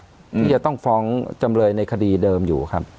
ที่จะต้องฟ้องจำเลยในคดีเดิมอยู่ครับ